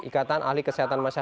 ikatan ahli kesehatan masyarakat